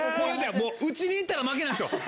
もう、打ちにいったら負けなんですよ。